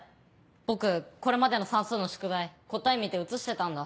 僕これまでの算数の宿題答え見て写してたんだ。